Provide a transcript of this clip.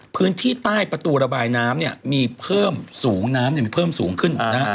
พื้นที่ใต้ประตูระบายน้ำเนี่ยมีเพิ่มสูงน้ำเพิ่มสูงขึ้นนะฮะ